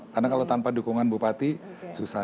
karena kalau tanpa dukungan bupati susah